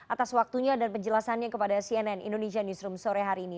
atas waktunya dan penjelasannya kepada cnn indonesia newsroom sore hari ini